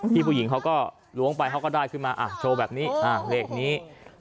ผู้หญิงเขาก็ล้วงไปเขาก็ได้ขึ้นมาโชว์แบบนี้เลขนี้